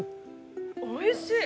おいしい！